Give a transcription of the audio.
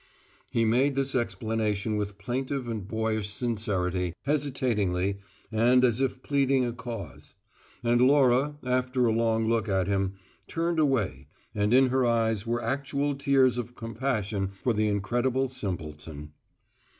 He made this explanation with plaintive and boyish sincerity, hesitatingly, and as if pleading a cause. And Laura, after a long look at him, turned away, and in her eyes were actual tears of compassion for the incredible simpleton.